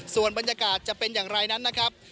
ส่วนบรรยากาศจะเป็นอย่างไรนั้นนะครับ